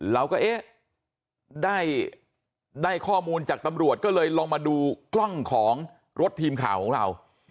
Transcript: เราก็เอ๊ะได้ข้อมูลจากตำรวจก็เลยลองมาดูกล้องของรถทีมข่าวของเรา